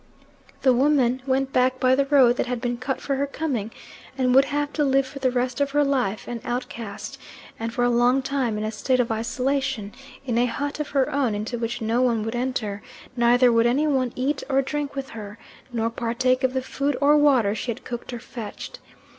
The woman went back by the road that had been cut for her coming, and would have to live for the rest of her life an outcast, and for a long time in a state of isolation, in a hut of her own into which no one would enter, neither would any one eat or drink with her, nor partake of the food or water she had cooked or fetched.